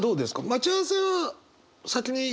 待ち合わせは先に行く？